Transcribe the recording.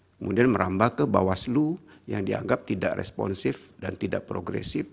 kemudian merambah ke bawaslu yang dianggap tidak responsif dan tidak progresif